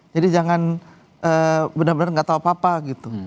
jadi jangan benar benar gak tau apa apa gitu